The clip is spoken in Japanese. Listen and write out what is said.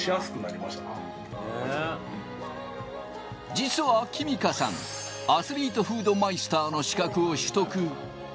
実は貴実花さん、アスリートフードマイスターの資格を取得。